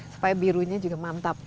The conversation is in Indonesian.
supaya birunya juga mantap